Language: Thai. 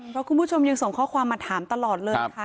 เพราะคุณผู้ชมยังส่งข้อความมาถามตลอดเลยนะคะ